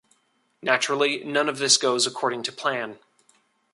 Naturally, none of this goes according to plan.